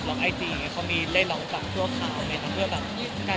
คุณสัมผัสดีครับ